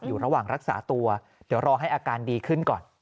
อยู่ระหว่างรักษาตัวเดี๋ยวรอให้อาการดีขึ้นก่อน